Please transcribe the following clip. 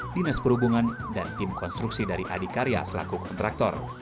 dinas perhubungan dan tim konstruksi dari adikarya selaku kontraktor